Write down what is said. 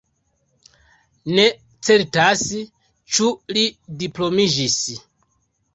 Ne certas ĉu li diplomiĝis.